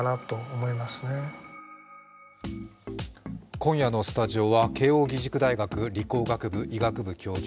今夜のスタジオは慶応義塾大学理工学部医学部教授